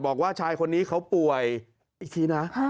บอกว่าชายคนนี้เขาป่วยอีกทีนะ